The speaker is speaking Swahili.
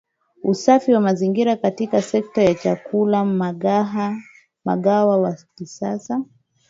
Usafi wa mazingira katika sekta ya chakula Mgahawa wa kisasa